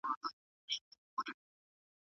وطن له پردیو هېوادونو څخه ډېر خوږ وي.